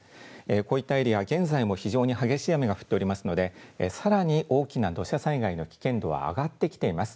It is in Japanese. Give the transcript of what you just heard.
こういったエリアは現在も非常に激しい雨が降っておりますのでさらに大きな土砂災害の危険度は上がってきてます。